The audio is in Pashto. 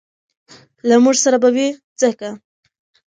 له موږ سره به وي ځکه